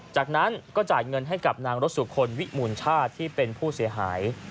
จากนั้นก็จ่ายเงินให้กับนางรสสุคลวิมูลชาติที่เป็นผู้เสียหาย